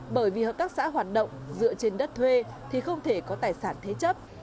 bởi vì hợp tác xã hoạt động dựa trên đất thuê thì không thể có tài sản thế chấp